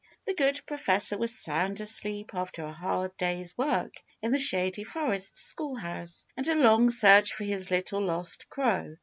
The good Professor was sound asleep after a hard day's work in the Shady Forest Schoolhouse and a long search for his little lost crow.